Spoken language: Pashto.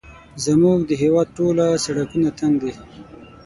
زموږ د هېواد ټوله سړکونه تنګ دي